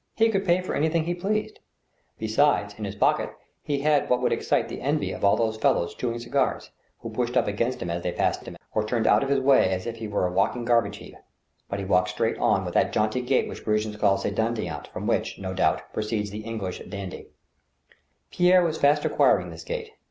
He could pay for anything he pleased ; besides, in his pocket, he had what would excite the envy of all those fellows chewing cigars, who pushed up against him as they passed him, or turned out of his way as if he were a walking garbage heap ; but he walked straight on with that jaunty gait that Parisians call se dandinant, from which, no doubt, proceeds the English " dandy." Pierre was fast acquiring this gait.